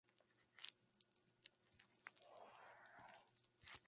Las cosas no marchan como sus altas expectativas esperan.